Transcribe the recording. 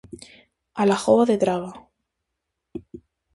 A lagoa de Traba.